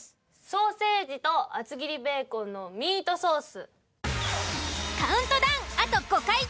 ソーセージと厚切りベーコンのミートソース。